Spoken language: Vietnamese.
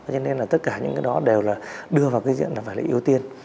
cho nên là tất cả những cái đó đều là đưa vào cái diện là phải là ưu tiên